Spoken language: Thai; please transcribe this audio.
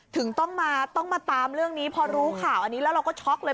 ถึงต้องมาต้องมาตามเรื่องนี้พอรู้ข่าวอันนี้แล้วเราก็ช็อกเลย